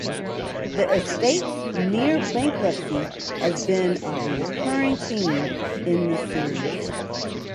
The estate's near bankruptcy has been a recurring theme in the series.